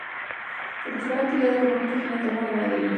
Su principal actividad económica gira en torno a la ganadería.